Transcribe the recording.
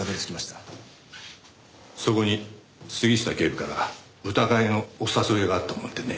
そこに杉下警部から歌会のお誘いがあったもんでね。